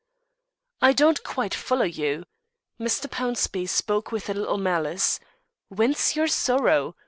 "I don't quite follow you." Mr. Pownceby spoke with a little malice. "Whence your sorrow?